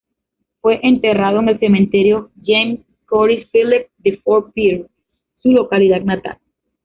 Fue enterrado en el Cementerio James "Scotty" Philip de Fort Pierre, su localidad natal.